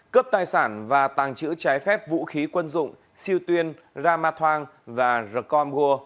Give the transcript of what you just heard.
cấp tài sản và tàng trữ trái phép vũ khí quân dụng siêu tuyên ramathwang và rekongua